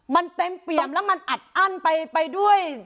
มันเต็มเปี่ยมแล้วมันอัดอั้นไปด้วย